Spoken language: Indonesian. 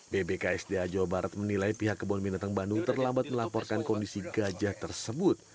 bbksda jawa barat menilai pihak kebun binatang bandung terlambat melaporkan kondisi gajah tersebut